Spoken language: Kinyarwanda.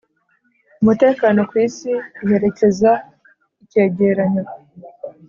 umutekano ku isi iherekeza icyegeranyo